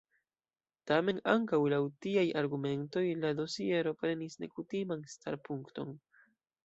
Tamen ankaŭ laŭ tiaj argumentoj la dosiero prenis nekutiman starpunkton.